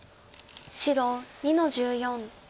白２の十四。